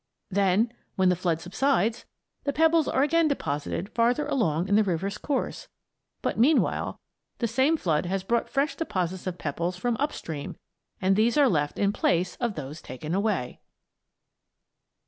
Then, when the flood subsides, the pebbles are again deposited farther along in the river's course, but meanwhile the same flood has brought fresh deposits of pebbles from up stream, and these are left in place of those taken away.